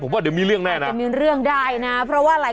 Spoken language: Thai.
ผมว่าเดี๋ยวมีเรื่องแน่นะจะมีเรื่องได้นะเพราะว่าอะไร